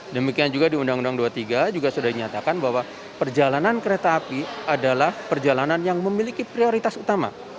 demikian juga di undang undang dua puluh tiga juga sudah dinyatakan bahwa perjalanan kereta api adalah perjalanan yang memiliki prioritas utama